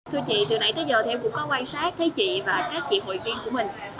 thưa chị từ nãy tới giờ thì em cũng có quan sát thấy chị và các chị hội viên của mình